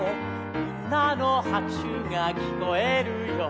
「みんなのはくしゅがきこえるよ」